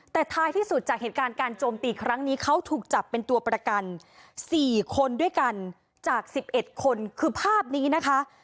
แต่ท้ายที่สุดจากเหตุการณ์การโจมตีครั้งนี้เขาถูกจับเป็นตัวประกัน๔คนด้วยกันจาก๑๑คนคือภาพนี้นะคะ